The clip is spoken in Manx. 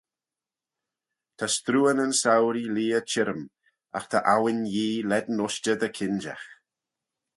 Ta struanyn souree leah çhirrym, agh ta awin Yee lane ushtey dy kinjagh.